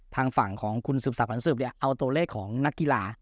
ทางฝั่งของคุณสืบสักวันสืบเอาตัวเลขของนักกีฬา